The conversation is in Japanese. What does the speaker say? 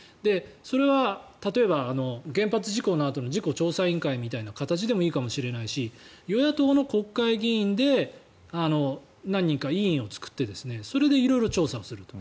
それは例えば原発事故のあとの事故調査委員会みたいな形でもいいかもしれないし与野党の国会議員で何人か委員を作ってそれで色々調査すると。